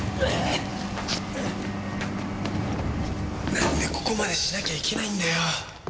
なんでここまでしなきゃいけないんだよ。